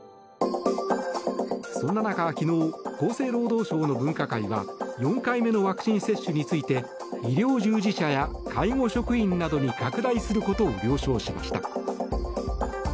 そんな中、昨日厚生労働省の分科会は４回目のワクチン接種について医療従事者や介護職員などに拡大することを了承しました。